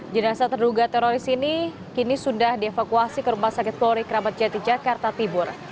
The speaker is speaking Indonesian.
jenazah terduga teroris ini kini sudah dievakuasi ke rumah sakit polri kramat jati jakarta tibur